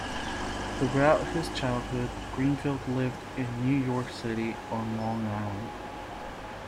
Throughout his childhood, Greenfield lived in New York City, on Long Island.